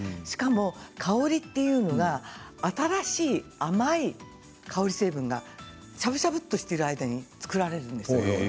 しかも香りというのが新しい甘い香り成分がしゃぶしゃぶとしている間に作られるんですよ。